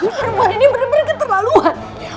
perempuan ini bener bener keterlaluan